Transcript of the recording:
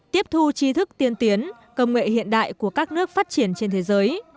tiếp thu chi thức tiên tiến công nghệ hiện đại của các nước phát triển trên thế giới